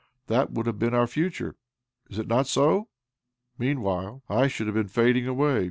Thai would have been our future. Is it not so? Meanwhile I should have been fading away.